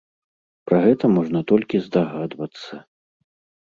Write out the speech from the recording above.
Пра гэта можна толькі здагадвацца.